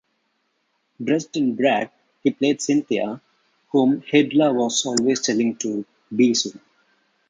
Dressed in drag, he played Cynthia, whom Hylda was always telling to "be soon".